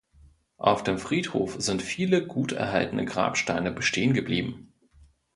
Auf dem Friedhof sind viele gut erhaltene Grabsteine bestehen geblieben.